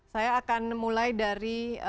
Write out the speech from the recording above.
saya akan mulai dari